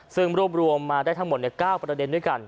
ซึ่งรวบรวมมาได้ทั้งหมด๙ประเด็นด้วยกัน